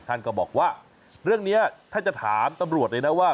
ท่านก็บอกว่าเรื่องนี้ถ้าจะถามตำรวจเลยนะว่า